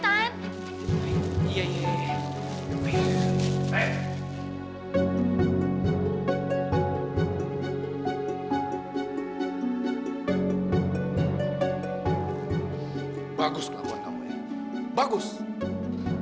sampai jumpa di video selanjutnya